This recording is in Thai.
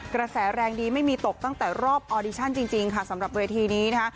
กระแสแรงดีไม่มีตกตั้งแต่รอบออดิชั่นจริงค่ะสำหรับเวทีนี้นะคะ